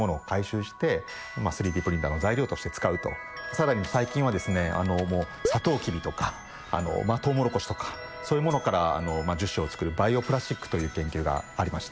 更に最近はですねもうサトウキビとかトウモロコシとかそういうモノから樹脂を作るバイオプラスチックという研究がありまして。